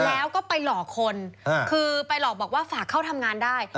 แล้วก็ไปหลอกคนคือไปหลอกบอกว่าฝากเข้าทำงานได้